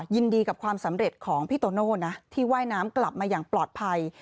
ยินดีกับความสำเร็จของพี่โตโน่นะที่ว่ายน้ำกลับมาอย่างปลอดภัย